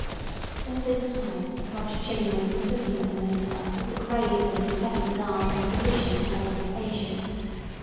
All this time Roger Chillingworth was looking at the minister with the grave and intent regard of a physician towards his patient.